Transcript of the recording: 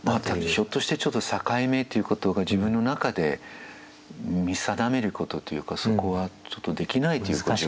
ひょっとしてちょっと境目ということが自分の中で見定めることというかそこはできないという状況にあったと。